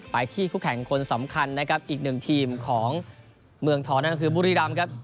ไปที่คู่แข่งคนสำคัญนะครับอีกหนึ่งทีมของเมืองทองนั่นก็คือบุรีรำครับ